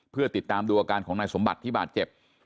เพื่อติดตามดูอาการของนายสมบัติที่บาดเจ็บ